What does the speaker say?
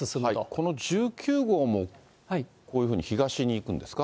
この１９号もこういうふうに東に行くんですか？